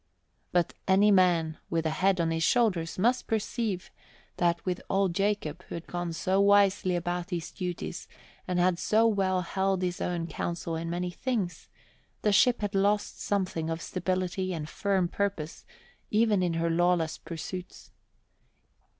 But any man with a head on his shoulders must perceive that with old Jacob, who had gone so wisely about his duties and had so well held his own counsel in many things, the ship had lost something of stability and firm purpose even in her lawless pursuits.